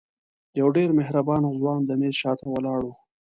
یو ډېر مهربانه ځوان د میز شاته ولاړ و.